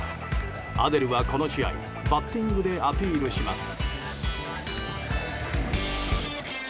アデルは、この試合バッティングでアピールします。